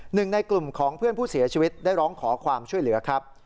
หนึ่งในกลุ่มของเพื่อนผู้เสียชีวิตได้ร้องขอความช่วยเหลือครับ